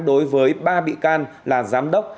đối với ba bị can là giám đốc